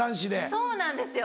そうなんですよ。